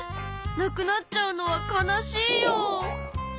なくなっちゃうのは悲しいよ。